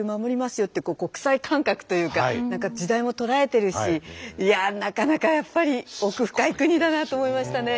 よって国際感覚というか時代も捉えてるしなかなかやっぱり奥深い国だなと思いましたね。